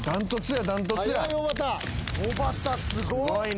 おばたすごっ！